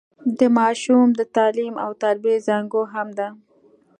د ماشوم د تعليم او تربيې زانګو هم ده.